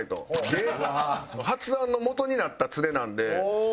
で発案のもとになったツレなので。